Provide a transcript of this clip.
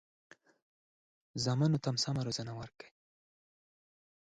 بچیانو ته سمه روزنه ورکړئ.